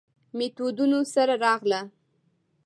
میتودونو سره راغله.